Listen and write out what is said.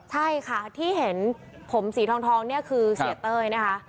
ใช่ค่ะที่เห็นผมสีทองเนี่ยคือเสียเต้ยนะคะ